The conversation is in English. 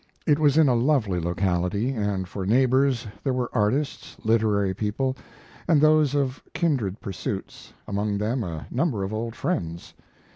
It was in a lovely locality, and for neighbors there were artists, literary people, and those of kindred pursuits, among them a number of old friends.